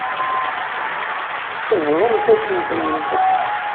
Bḍumt-asent-ten-id.